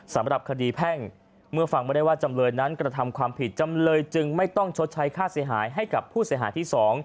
สำหรับคดีแพ่งเมื่อฟังไม่ได้ว่าจำเลยนั้นกระทำความผิดจำเลยจึงไม่ต้องชดใช้ค่าเสียหายให้กับผู้เสียหายที่๒